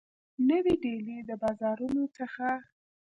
نوي ډیلي کي د بازارونو څخه